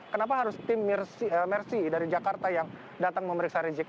kenapa harus tim mercy dari jakarta yang datang memeriksa rizik